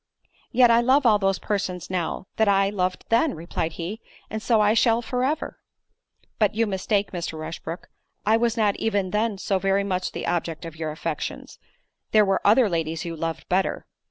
"Yet I love all those persons now, that I loved then," replied he; "and so I shall for ever." "But you mistake, Mr. Rushbrook; I was not even then so very much the object of your affections—there were other ladies you loved better.